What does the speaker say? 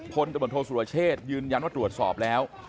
คนจบนโทษสุรเชษยืนยันว่าตรวจสอบแล้ว